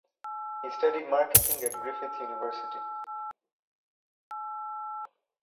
He studied marketing at Griffith University.